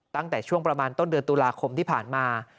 ตั้งแต่ช่วงประมาณต้นเดือนตุลาคมที่ผ่านมา